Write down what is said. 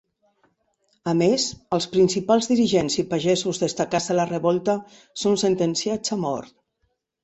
A més, els principals dirigents i pagesos destacats de la revolta són sentenciats a mort.